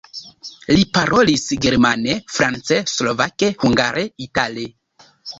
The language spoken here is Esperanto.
Li parolis germane, france, slovake, hungare, itale.